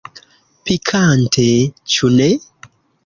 Pikante, ĉu ne?